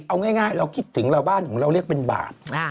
เอาง่ายเราคิดถึงเราบ้านของเราเรียกเป็นบาท